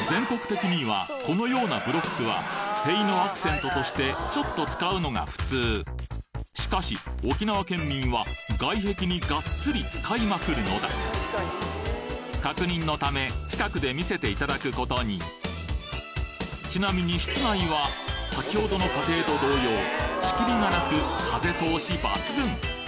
このようなブロックは塀のアクセントとしてちょっと使うのが普通しかし沖縄県民は外壁にがっつり使いまくるのだ確認のため近くで見せて頂くことにちなみに室内は先ほどの家庭と同様仕切りがなく風通し抜群！